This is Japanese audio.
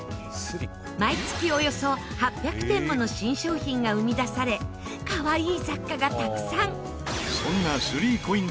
毎月およそ８００点もの新商品が生み出されかわいい雑貨がたくさんそんな３ＣＯＩＮＳ